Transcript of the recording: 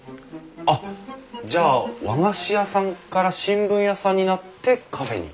あっじゃあ和菓子屋さんから新聞屋さんになってカフェに？